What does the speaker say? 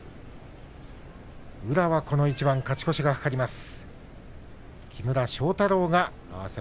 宇良はこの一番に勝ち越しが懸かります。